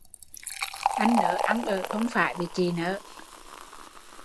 Anh nớ ăn ở không phải với chị nớ